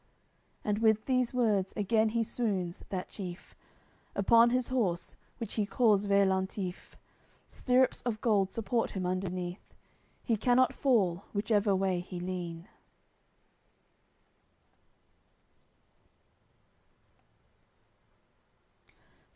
And with these words again he swoons, that chief, Upon his horse, which he calls Veillantif; Stirrups of gold support him underneath; He cannot fall, whichever way he lean.